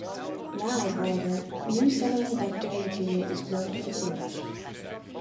Now, however, new semiconductor material is grown over the ridge.